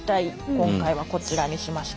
今回はこちらにしました。